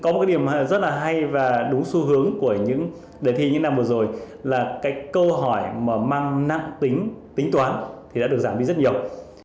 có một cái điểm rất là hay và đúng xu hướng của những đề thi như năm vừa rồi là cái câu hỏi mà mang nặng tính tính toán thì đã được giảm đi rất nhiều